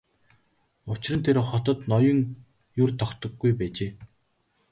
Учир нь тэр хотод ноён ер тогтдоггүй байжээ.